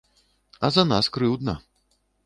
А за нас крыўдна.